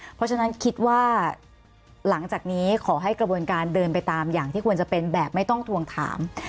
เพราะฉะนั้นคิดว่าหลังจากนี้ขอให้กระบวนการเดินไปตามอย่างที่ควรจะเป็นแบบไม่ต้องทวงถาม